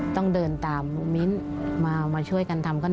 ต้องเดินตามมิ้นมาช่วยกันทำก็